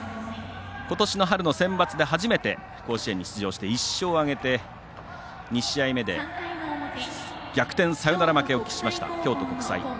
ことしの春のセンバツで初めて甲子園に出場して１勝を挙げて２試合目で逆転サヨナラ負けを喫しました京都国際。